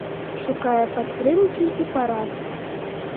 Шукае падтрымкі і парад.